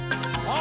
あ。